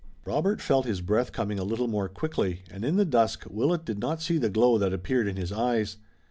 Robert felt his breath coming a little more quickly, and in the dusk, Willet did not see the glow that appeared in his eyes.